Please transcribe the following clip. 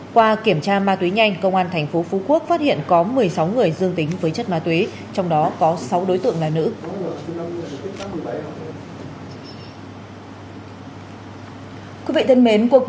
qua kiểm tra ma túy nhanh công an thành phố phú quốc phát hiện có một mươi sáu người dương tính với chất ma túy trong đó có sáu đối tượng là nữ